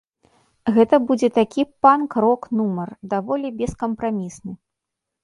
Гэта будзе такі панк-рок-нумар, даволі бескампрамісны.